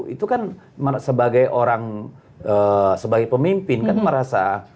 itu kan sebagai orang sebagai pemimpin kan merasa